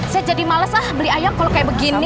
saya jadi males ah beli ayam kalau kayak begini